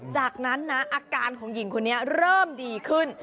จากนั้นนะอาการของหญิงคนนี้เริ่มดีขึ้น